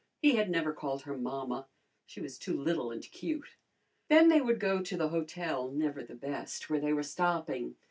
He had never called her mamma. She was too little and cute. Then they would go to the hotel, never the best, where they were stopping.